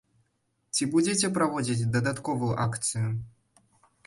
Ці будзеце праводзіць дадатковую акцыю?